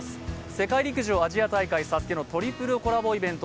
世界陸上、アジア大会「ＳＡＳＵＫＥ」のトリプルコラボイベント